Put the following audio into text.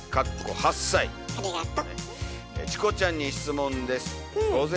ありがと。